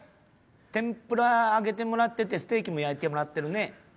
天ぷら揚げてもらっててステーキも焼いてもらってるね。